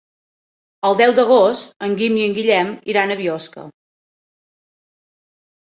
El deu d'agost en Guim i en Guillem aniran a Biosca.